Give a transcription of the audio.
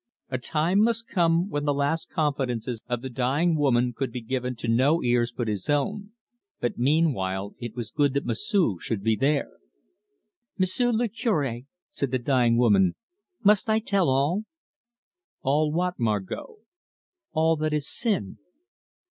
A time must come when the last confidences of the dying woman could be given to no ears but his own, but meanwhile it was good that M'sieu' should be there. "M'sieu' le Cure," said the dying woman, "must I tell all?" "All what, Margot?" "All that is sin?"